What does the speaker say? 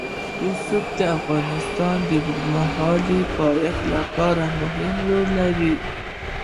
رسوب د افغانستان د اوږدمهاله پایښت لپاره مهم رول لري.